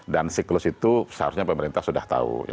dan siklus itu seharusnya pemerintah sudah tahu